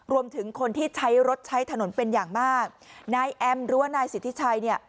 รวมถึงคนที่ใช้รถใช้ถนนเป็นอย่างมากนายแอมหรือว่านายสิทธิชัยเนี่ย